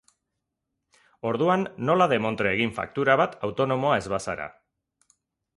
Orduan, nola demontre egin faktura bat, autonomoa ez bazara?